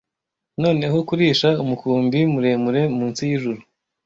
noneho kurisha umukumbi muremure munsi yijuru